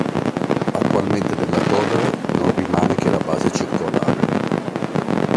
Attualmente della torre non rimane che la base circolare.